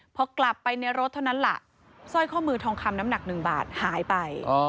พอกลับไปในรถเท่านั้นล่ะสร้อยข้อมือทองคำน้ำหนัก๑บาทหายไป